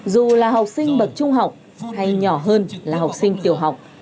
dù là học sinh bậc trung học hay nhỏ hơn là học sinh tiểu học